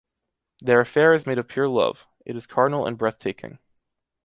Their affaire is made of pure love, it is carnal and breathtaking.